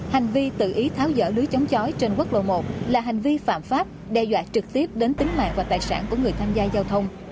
hành vi tự ý tháo dỡ lưới chống chói trên quốc lộ một là hành vi phạm pháp đe dọa trực tiếp đến tính mạng và tài sản của người tham gia giao thông